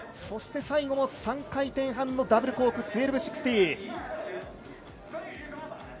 そして最後も３回転半のダブルコーク１２６０！